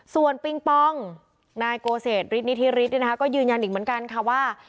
ส่วนปิงปองนายโกเศษฤทธินิธิฤทธิ์ก็ยืนยันอีกเหมือนกันค่ะว่า